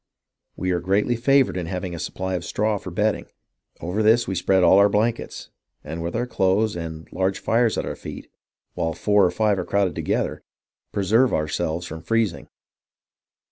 We are greatly favoured in having a supply of straw for bedding ; over this we spread all our blankets, and, with our clothes and large fires at our feet, while four or five are crowded together, preserve ourselves from freezing.